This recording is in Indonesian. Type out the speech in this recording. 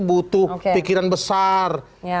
butuh pikiran besar